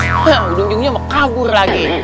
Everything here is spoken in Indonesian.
heng ujung ujungnya mau kabur lagi